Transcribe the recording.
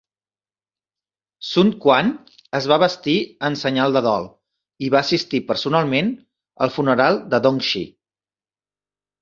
Sun Quan es va vestir en senyal de dol i va assistir personalment al funeral de Dong Xi.